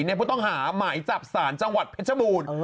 ในผู้ต้องหาหมายจับสารจังหวัดเพชรบูรณ์